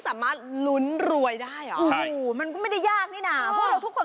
คาถาที่สำหรับคุณ